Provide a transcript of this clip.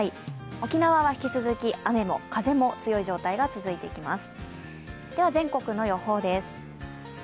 沖縄は引き続き雨も風も強い状態が続いていきます。